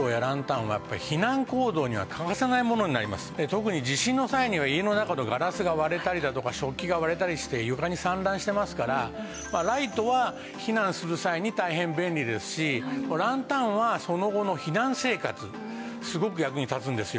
特に地震の際には家の中のガラスが割れたりだとか食器が割れたりして床に散乱してますからライトは避難する際に大変便利ですしランタンはその後の避難生活すごく役に立つんですよ。